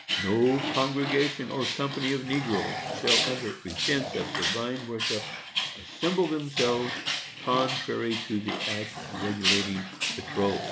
] No congregation, or company of negroes, shall, under pretence of divine worship, assemble themselves, contrary to the act regulating patrols.